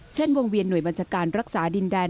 เช่นวงเวียนหน่วยบัญชาการรักษาดินแดน